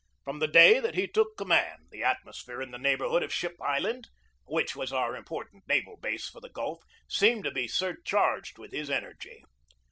From the day that he took command the atmosphere in the neighborhood of Ship Island, which was our important naval base for the Gulf, seemed to be surcharged with his en ergy.